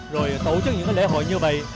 rồi tổ chức những lễ hội như vậy